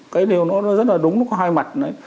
cái điều nó rất là đúng nó có hai mặt đấy